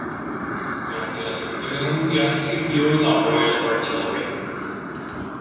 Durante la Segunda Guerra Mundial sirvió en la Royal Artillery.